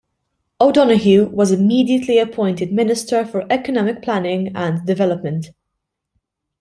O'Donoghue was immediately appointed Minister for Economic Planning and Development.